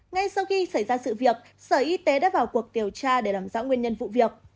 ngay sau khi xảy ra sự việc sở y tế đã vào cuộc điều tra để làm rõ nguyên nhân vụ việc